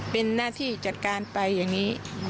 เป็นหน้าที่จัดการไปอย่างนี้